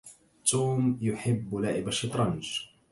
توم يحب لعب الشطرنج